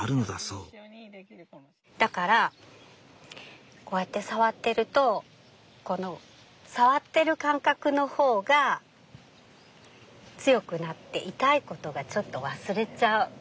だからこうやって触ってるとこの触ってる感覚の方が強くなって痛いことがちょっと忘れちゃう。